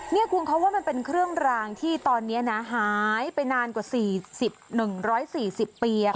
นี่คุณเขาว่ามันเป็นเครื่องรางที่ตอนนี้นะหายไปนานกว่า๔๑๔๐ปี